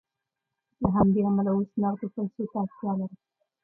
له همدې امله اوس نغدو پیسو ته اړتیا لرم